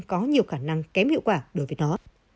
có nhiều khả năng kém hiệu quả đối với nó